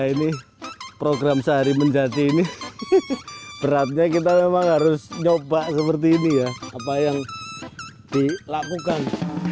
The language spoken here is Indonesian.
ini program sehari menjadi ini beratnya kita memang harus nyoba seperti ini ya apa yang dilakukan